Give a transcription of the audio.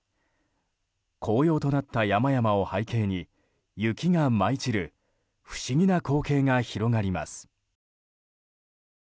紅葉となった山々を背景に雪が舞い散る不思議な光景が広がります。